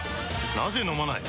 なぜ飲まない？